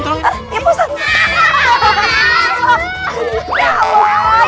gak gelap apa apa neng